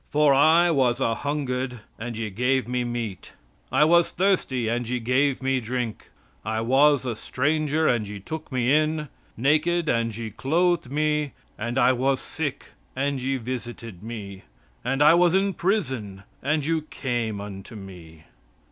For I was a hungered and ye gave Me meat; I was thirsty and ye gave Me drink; I was a stranger and ye took Me in; naked and ye clothed Me; and I was sick and ye visited Me; and I was in prison, and ye came unto me."